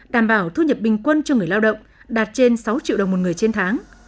đảm bảo thu nhập bình quân cho người lao động đạt trên sáu triệu đồng một người trên tháng